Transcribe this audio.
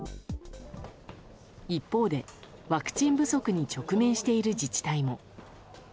一方で、ワクチン不足に直面している自治体も。